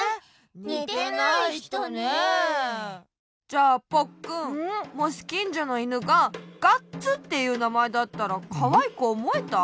じゃあポッくんもしきんじょのイヌが「ガッツ」っていうなまえだったらかわいくおもえた？